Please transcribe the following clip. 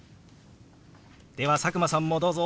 では佐久間さんもどうぞ！